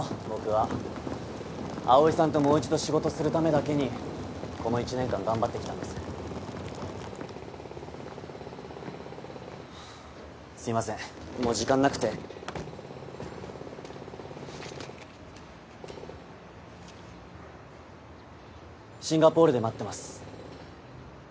僕は葵さんともう一度仕事するためだけにこの１年間頑張ってきたんですすいませんもう時間なくてシンガポールで待ってます